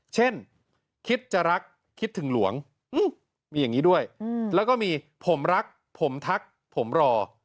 เช่นคิดจะรักคิดถึงหลวงมีอย่างนี้ด้วยแล้วก็มีผมรักผมทักผมรอ